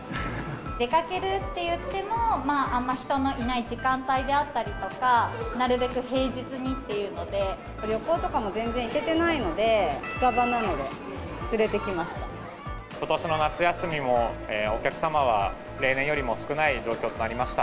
出かけるっていっても、まあ、あんま人のいない時間帯であったりとか、なるべく平日にっていう旅行とかも全然行けてないのことしの夏休みも、お客様は例年よりも少ない状況となりました。